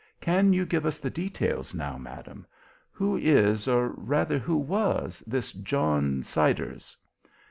"Can you give us the details now, Madam? Who is, or rather who was, this John Siders?"